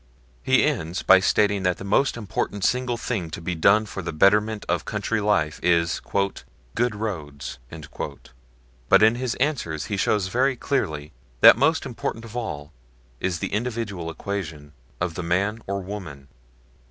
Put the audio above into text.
He ends by stating that the most important single thing to be done for the betterment of country life is "good roads"; but in his answers he shows very clearly that most important of all is the individual equation of the man or woman.